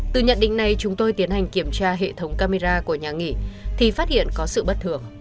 từ nhận định này chúng tôi tiến hành kiểm tra hệ thống camera của nhà nghỉ thì phát hiện có sự bất thường